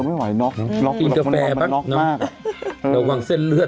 ไม่ไหวนกนกทีนกาแฟบ้างมันนออกมากเราวางเส้นเลือด